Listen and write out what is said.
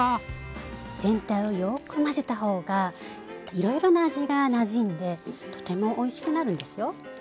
全体をよく混ぜた方がいろいろな味がなじんでとてもおいしくなるんですよ。